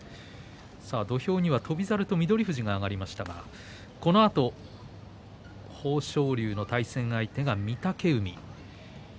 さあ、土俵には翔猿と翠富士が上がりましたがこのあと豊昇龍の対戦相手が御嶽海。